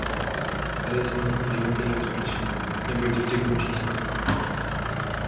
Ale i samotný život je nebezpečný, neboť vždy končí smrtí.